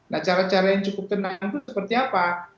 nah cara cara yang cukup tenang itu seperti apa